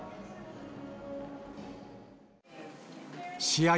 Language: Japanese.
試合